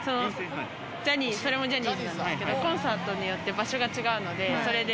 それもジャニーズなんですけど、コンサートによって場所が違うので。